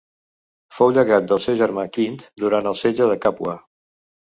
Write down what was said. Fou llegat del seu germà Quint durant el setge de Càpua.